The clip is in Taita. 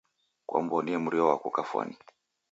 Kwamw'onie mrio wako kafwani?